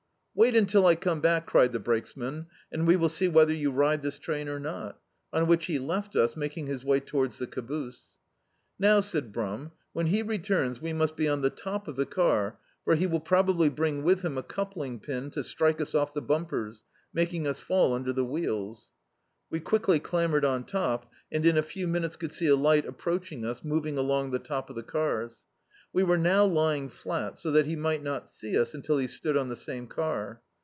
"Wait until I come back," cried the brakesman, "and we will see whether you ride this train or not," on which he left us, making his way towards the caboose. "Now," said Brum, "when he returns we must be on the top of the car, for he will probably bring with him a coupling pin to strike us off the bumpers, making us fall under the wheels." We quickly clambered on top and in a few minutes could see a li^t approaching us, moving along the top of the cars. We were now lying flat, so that he might not see us until he stood on the same car.